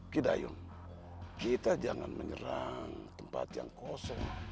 kidayung kita jangan menyerang tempat yang kosong